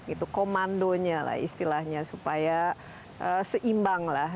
itu komandonya lah istilahnya supaya seimbang lah